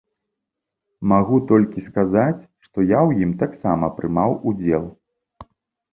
Магу толькі сказаць, што я ў ім таксама прымаў удзел.